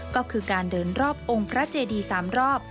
ก็คือการเดินรอบองค์พระเจดี๓รอบ